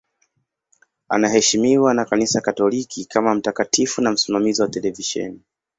Anaheshimiwa na Kanisa Katoliki kama mtakatifu na msimamizi wa televisheni.